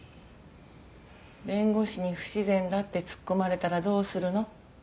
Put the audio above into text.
弁護士に不自然だって突っ込まれたらどうするの？